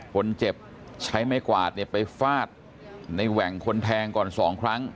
คนเจ็บใช้ไม้กวาดเนี่ยไปฟาดในแหว่งคนแทงก่อน๒ครั้ง